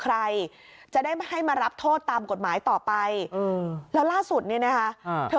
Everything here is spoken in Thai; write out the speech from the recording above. ใครจะได้ให้มารับโทษตามกฎหมายต่อไปแล้วล่าสุดเนี่ยนะคะเธอ